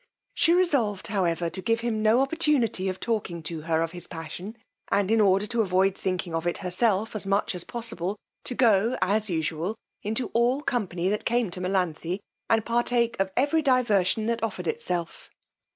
She resolved however to give him no opportunity of talking to her of his passion, and in order to avoid thinking of it herself as much as possible, to go, as usual, into all company that came to Melanthe, and partake of every diversion that offered itself.